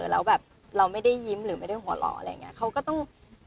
แล้วแบบเราไม่ได้ยิ้มหรือไม่ได้หัวหล่ออะไรอย่างนี้